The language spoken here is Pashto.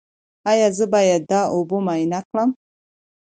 ایا زه باید د اوبو معاینه وکړم؟